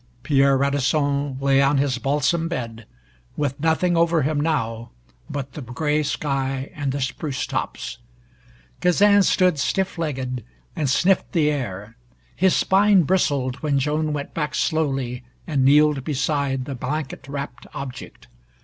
Pierre Radisson lay on his balsam bed, with nothing over him now but the gray sky and the spruce tops. Kazan stood stiff legged and sniffed the air. His spine bristled when Joan went back slowly and kneeled beside the blanket wrapped object.